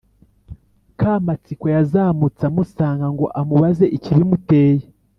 kamatsiko yazamutse amusanga ngo amubaze ikibimuteye.